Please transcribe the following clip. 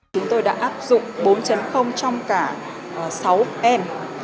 chúng tôi đã áp dụng bốn trong cả sáu em